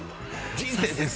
人生です